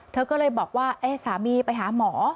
เธอก็เลยบอกว่าสามีไปหาหมอ